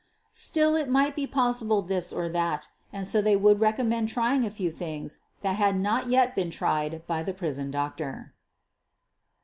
\ Still, M might possibly be this or that, and so they would recommend trying a few things that had not yet been tried by the prison doctor.